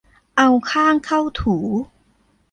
เอาข้างเข้าถู